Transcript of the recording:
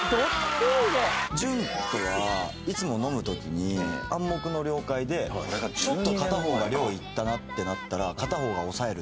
「潤とはいつも飲むときに暗黙の了解でちょっと片方が量いったなってなったら片方が抑えるっていう」